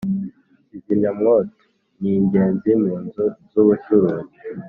Kizimya mwoto ningezi munzu zubucuruzi